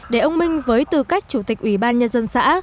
để ông minh với tư cách chủ tịch ủy ban nhân dân xã